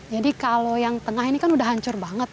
jadi kalau yang tengah ini kan udah hancur banget